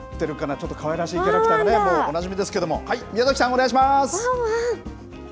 ちょっとかわいらしいキャラクターがね、おなじみですけども、はい、宮崎さん、お願しまーす！